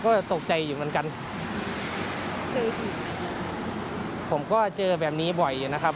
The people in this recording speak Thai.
ก็ตกใจอยู่เหมือนกันเจอผีผมก็เจอแบบนี้บ่อยอยู่นะครับ